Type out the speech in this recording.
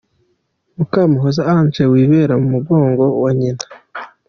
Mukamuhoza Ange wibera mu mugongo wa nyina.